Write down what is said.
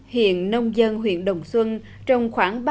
hiện nông dân huyện đồng xuân trồng khoảng ba hectare sắn